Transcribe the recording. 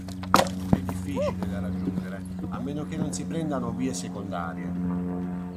È difficile da raggiungere a meno che non si prendano vie secondarie.